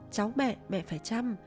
cháu mẹ mẹ phải chăm